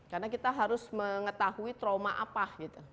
karena kita harus mengetahui trauma apa gitu